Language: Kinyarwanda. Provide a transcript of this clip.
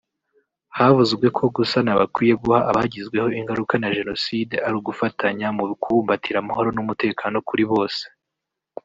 Havuzwe ko gusana bakwiye guha abagizweho ingaruka na jenoside ari ugufatanya mu kubumbatira amahoro n’umutekano kuri bose